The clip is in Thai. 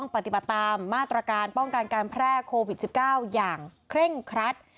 ปฏิบัติตามมาตรการป้องกันการแพร่โควิด๑๙อย่างเคร่งครัด